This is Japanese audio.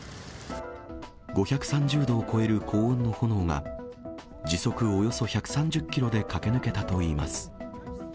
５３０度を超える高温の炎が、時速およそ１３０キロで駆け抜けたといいます。